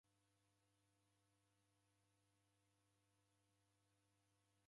Odasuka chala ukiramarama